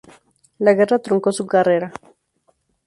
La guerra truncó su carrera.